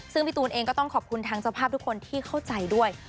ซึ่งพี่ตูนเองก็ต้องขอบคุณทางเจ้าภาพทุกคนที่เข้าใจด้วย